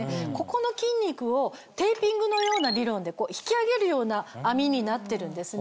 ここの筋肉をテーピングのような理論で引き上げるような編みになってるんですね。